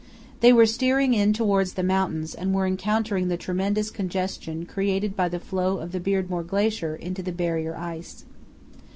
They were steering in towards the mountains and were encountering the tremendous congestion created by the flow of the Beardmore Glacier into the barrier ice.